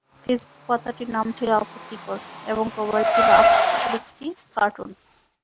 Facebook পাতাটির নাম ছিল আপত্তিকর এবং কভারে ছিল আপত্তিকর একটি কার্টুন।